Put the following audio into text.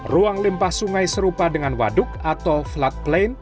ruang limpah sungai serupa dengan waduk atau floodplain